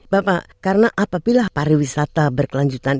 bapak karena apabila pariwisata berkelanjutan